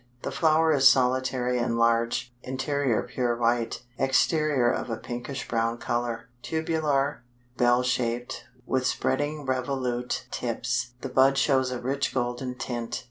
The flower is solitary and large, interior pure white, exterior of a pinkish brown color, tubular, bell shaped, with spreading revolute tips; the bud shows a rich golden tint.